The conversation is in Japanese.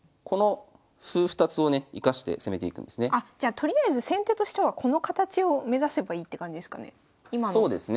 あじゃあとりあえず先手としてはこの形を目指せばいいって感じですかね。